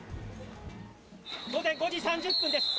午前５時３０分です。